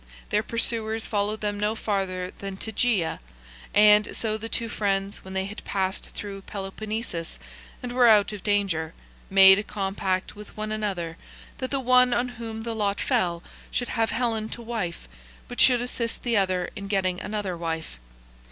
Their pursuers followed them no farther than Tegea, and so the two friends, when they had passed through Peloponnesus and were out of danger, made a com pact with one another that the one on whom the lot fell should have Helen to wife, but should assist the other in getting another wife.